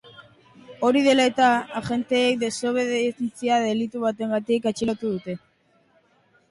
Hori dela eta, agenteek desobedientzia delitu bategatik atxilotu dute.